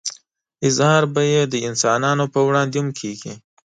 اظهار به يې د انسانانو په وړاندې هم کېږي.